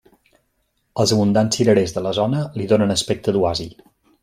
Els abundants cirerers de la zona li donen aspecte d'oasi.